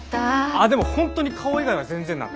あっでも本当に顔以外は全然なんで。